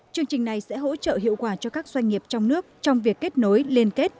chương trình này sẽ hỗ trợ hiệu quả cho các doanh nghiệp trong nước trong việc kết nối liên kết